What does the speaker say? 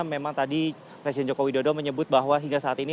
memang tadi presiden joko widodo menyebut bahwa hingga saat ini